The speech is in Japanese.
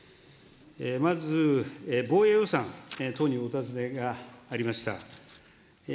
まず防衛予算等のお尋ねがありました。